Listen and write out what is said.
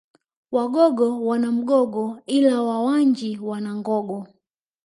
Wagogo wana Mgogo ila Wawanji wana Ngogo